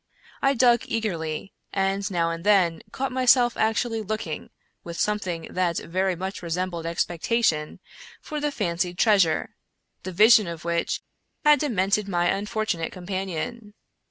I dug eagerly, and now and then caught myself actually look ing, with something that very much resembled expectation, for the fancied treasure, the vision of which had demented 143 American Mystery Stories my unfortunate companion.